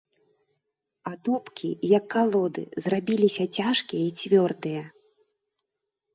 Атопкі, як калоды, зрабіліся цяжкія і цвёрдыя.